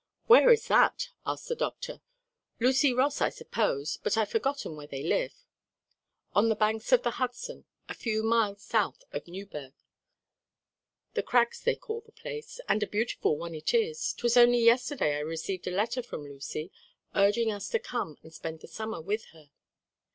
"Where is that?" asked the doctor, "Lucy Ross, I suppose, but I've forgotten where they live." "On the banks of the Hudson a few miles south of Newburgh. The Crags they call their place, and a beautiful one it is. 'Twas only yesterday I received a letter from Lucy, urging us to come and spend the summer with her."